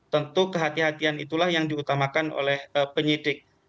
tentu kehatian kehatian itulah yang diutamakan oleh penyidik